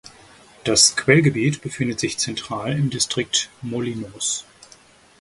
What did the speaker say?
Das Quellgebiet befindet sich zentral im Distrikt Molinos.